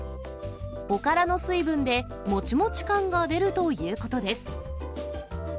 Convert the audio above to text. おからの水分で、もちもち感が出るということです。